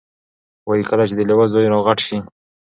وایي کله چې د لیوه زوی را غټ شي،